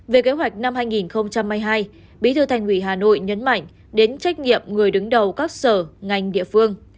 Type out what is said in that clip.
về kế hoạch năm hai nghìn hai mươi hai bí thư thành ủy hà nội nhấn mạnh đến trách nhiệm người đứng đầu các sở ngành địa phương